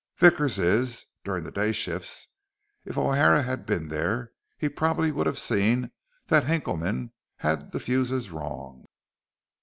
"Vickers is, during the day shifts. If O'Hara had been there, he probably would have seen that Hinkleman had the fuses wrong.